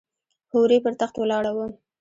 هورې پر تخت ولاړه وم .